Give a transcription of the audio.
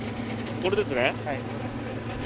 これですね。